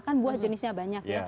kan buah jenisnya banyak ya